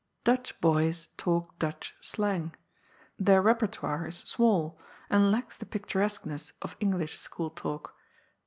Dutch boys talk Dutch slang. Their repertoire is small, and lacks the picturesqueness of English school talk.